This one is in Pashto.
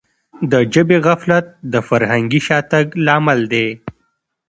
د ژبي غفلت د فرهنګي شاتګ لامل دی.